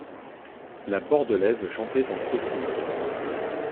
La Bordelaise chantait en sautillant.